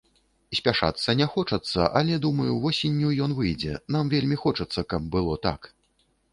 Спяшацца не хочацца, але, думаю, восенню ён выйдзе, нам вельмі хочацца, каб было так.